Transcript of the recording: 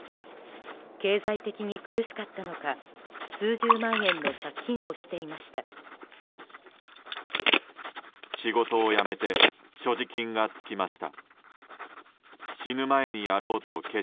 経済的に苦しかったのか数十万円の借金をしていました。